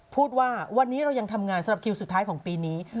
พูดว่าวันนี้เรายังทำงานสำหรับคิวสุดท้ายของปีนี้